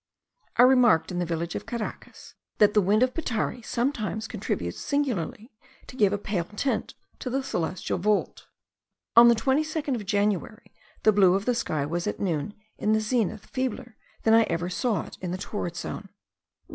I remarked, in the village of Caracas, that the wind of Petare sometimes contributes singularly to give a pale tint to the celestial vault. On the 22nd of January, the blue of the sky was at noon in the zenith feebler than I ever saw it in the torrid zone.